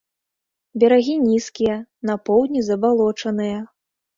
Берагі нізкія, на поўдні забалочаныя.